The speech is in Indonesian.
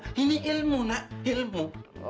ini ilmu nak ilmu